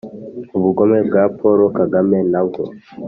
ubugome bwa paul kagame ntabwo